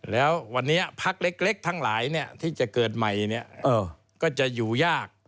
แล้ววันนี้ภักดิ์เล็กทั้งหลายเนี่ยที่จะเกิดใหม่เนี่ยก็จะอยู่ยาก